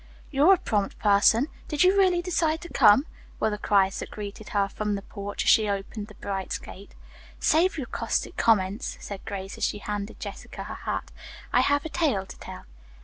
"You're a prompt person. Did you really decide to come?" were the cries that greeted her from the porch as she opened the Bright's gate. "Save your caustic comments," said Grace as she handed Jessica her hat. "I have a tale to tell."